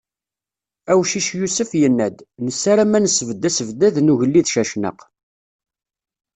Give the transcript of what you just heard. Awcic Yusef, yenna-d: "Nessaram ad nesbedd asebddad n ugellid Cacnaq."